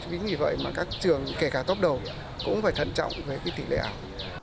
vì vậy mà các trường kể cả tốt đầu cũng phải thận trọng về cái tỉ lệ ảo